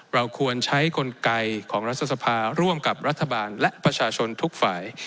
เราควรใช้กลไกของรัฐสภาร่วมกับรัฐบาลและประชาชนทุกฝ่าย